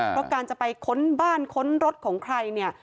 เพราะการจะไปค้นบ้านค้นรถของใครเนี่ย